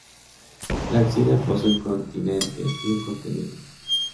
La axila posee un continente y un contenido.